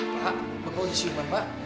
pak bapak kondisi bapak